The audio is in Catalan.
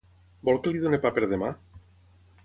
Vol que li doni pa per demà?